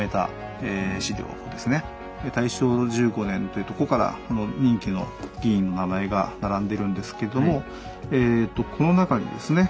大正１５年というとこから任期の議員の名前が並んでるんですけどもえとこの中にですね